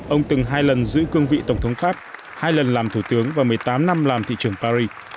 ông từng hai lần giữ cương vị tổng thống pháp hai lần làm thủ tướng và một mươi tám năm làm thị trường paris